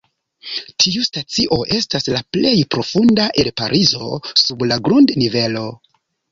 Tiu stacio estas la plej profunda el Parizo: sub la grund-nivelo.